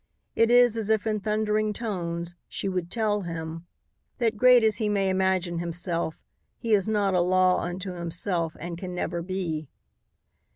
It is as if in thundering tones she would tell him that great as he may imagine himself, he is not a law unto himself and can never be.